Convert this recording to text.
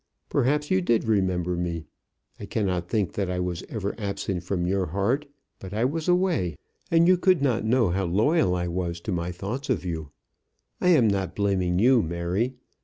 Perhaps you did remember me. I cannot think that I was ever absent from your heart; but I was away, and you could not know how loyal I was to my thoughts of you. I am not blaming you, Mary.